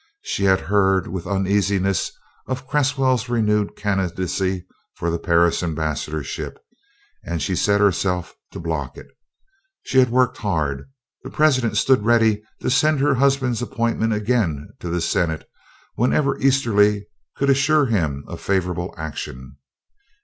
She had heard with uneasiness of Cresswell's renewed candidacy for the Paris ambassadorship, and she set herself to block it. She had worked hard. The President stood ready to send her husband's appointment again to the Senate whenever Easterly could assure him of favorable action.